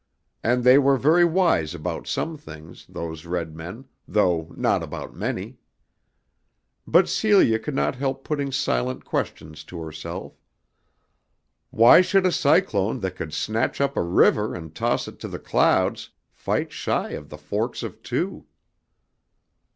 And they were very wise about some things, those red men, though not about many. But Celia could not help putting silent questions to herself. Why should a cyclone that could snatch up a river and toss it to the clouds, fight shy of the forks of two?